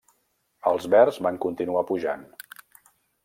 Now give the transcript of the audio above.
Els verds van continuar pujant.